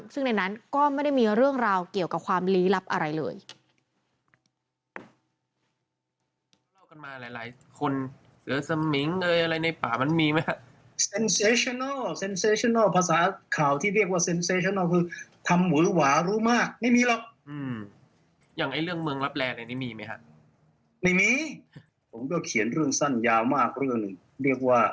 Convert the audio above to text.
ซึ่งในนั้นก็ไม่ได้มีเรื่องราวเกี่ยวกับความลี้ลับอะไรเลย